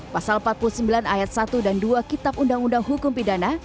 pasal empat puluh sembilan ayat satu dan dua kitab undang undang hukum pidana